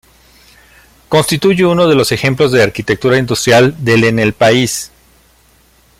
Constituye uno de los ejemplos de arquitectura industrial del en el país.